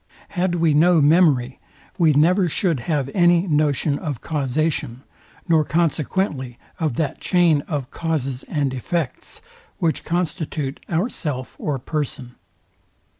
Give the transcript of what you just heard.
Had we no memory, we never should have any notion of causation, nor consequently of that chain of causes and effects, which constitute our self or person.